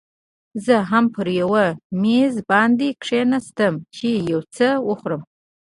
زه هم پر یو میز باندې کښېناستم، چې یو څه وخورم.